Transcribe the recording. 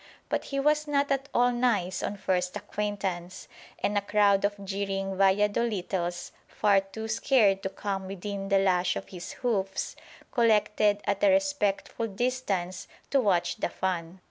But he was not at all nice on first acquaintance, and a crowd of jeering Vallado littles far too scared to come within the lash of his hoofs collected at a respectful distance to watch the fun.